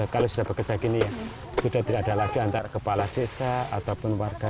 kalau sudah bekerja gini ya sudah tidak ada lagi antar kepala desa ataupun warga